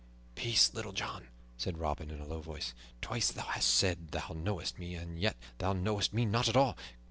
"Peace, Little John!" said Robin in a low voice. "Twice thou hast said thou knowest me, and yet thou knowest me not at all.